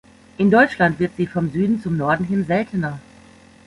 In Deutschland wird sie vom Süden zum Norden hin seltener.